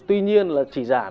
tuy nhiên là chỉ giảm